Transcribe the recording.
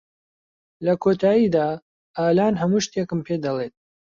لە کۆتاییدا، ئالان هەموو شتێکم پێدەڵێت.